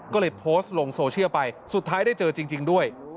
ก็เลยโพสต์ลงโซเชียลไปสุดท้ายได้เจอจริงด้วย